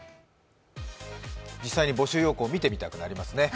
実際に募集要項見てみたくなりますね。